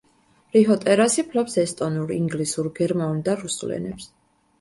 რიჰო ტერასი ფლობს ესტონურ, ინგლისურ, გერმანულ და რუსულ ენებს.